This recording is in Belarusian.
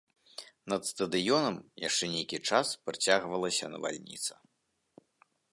Над стадыёнам яшчэ нейкі час працягвалася навальніца.